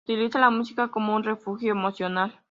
Utiliza la música como un refugio emocional.